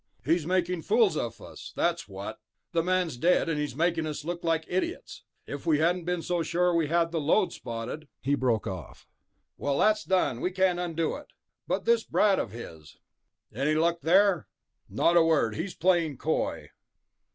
"He's making fools of us, that's what! The man's dead, and he's making us look like idiots. If we hadn't been so sure we had the lode spotted ..." He broke off. "Well, that's done, we can't undo it. But this brat of his...." "Any luck there?" "Not a word. He's playing coy."